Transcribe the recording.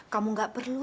kamu gak perlu